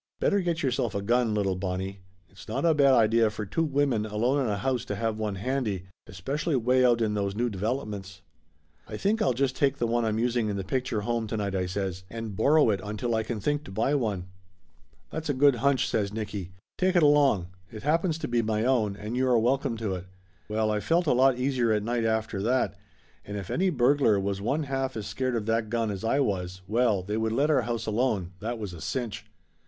"Better get yourself a gun, little Bonnie. It's not a bad idea for two women alone in a house to have one handy, especially way out in those new developments." "I think I'll just take the one I'm using in the picture home to night," I says, "and borrow it until I can think to buy one." "That's a good hunch," says Nicky. "Take it along. It happens to be my own, and you are welcome to it." Well, I felt a lot easier at night after that, and if 208 Laughter Limited any burglar was one half as scared of that gun as I was, well, they would let our house alone, that was a cinch!